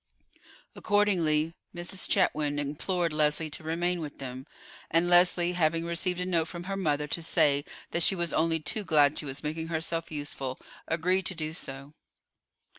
Accordingly, Mrs. Chetwynd implored Leslie to remain with them; and Leslie, having received a note from her mother to say that she was only too glad she was making herself useful, agreed to do so.